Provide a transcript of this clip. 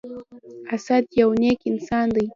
اسد يو نیک انسان دی.